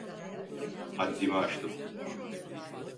Haddimi aştım.